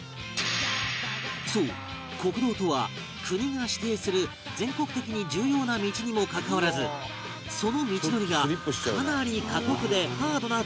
そう酷道とは国が指定する全国的に重要な道にもかかわらずその道のりがかなり過酷でハードな道路の事